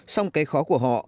xong cái khó của họ